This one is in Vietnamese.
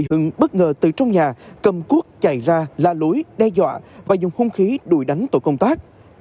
ước ngờ từ trong nhà cầm cuốc chạy ra la lối đe dọa và dùng không khí đuổi đánh tổ công tác